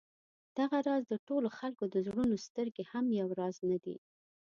دغه راز د ټولو خلکو د زړونو سترګې هم یو راز نه دي.